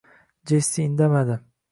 Jessi indamadi